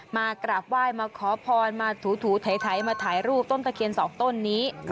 มากราบไหว้มาขอพรมาถูไถมาถ่ายรูปต้นตะเคียนสองต้นนี้